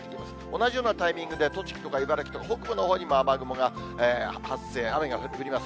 同じようなタイミングで、栃木とか茨城とか北部のほうにも雨雲が発生、雨が降ります。